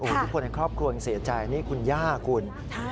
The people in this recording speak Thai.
ทุกคนในครอบครัวเสียใจนี่คุณย่าคุณ